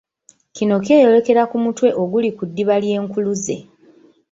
Kino kyeyolekera ku mutwe oguli ku ddiba ly’enkuluze.